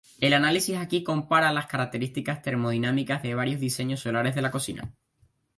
El análisis aquí compara las características termodinámicas de varios diseños solares de la cocina.